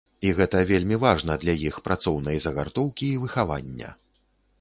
І гэта вельмі важна для іх працоўнай загартоўкі і выхавання.